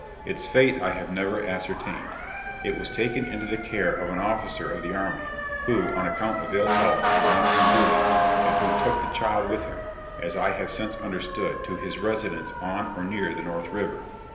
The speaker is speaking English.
Its fate I have never ascertained. It was taken into the care of an officer of the army, who, on account of ill health, was not on duty, and who took the child with him, as I have since understood, to his residence on or near the North river.